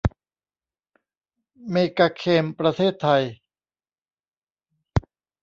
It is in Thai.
เมกาเคม ประเทศไทย